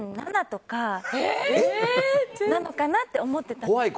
０．７とかなのかなって思ってたんですけど。